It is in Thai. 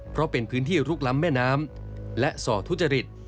เพราะเป็นพื้นที่ลุกล้ำแม่น้ำและส่อทุจริต